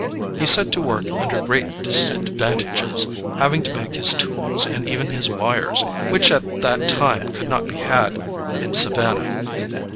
He set to work under great disadvantages, having to make his tools, and even his wires, which at that time could not be had in Savannah.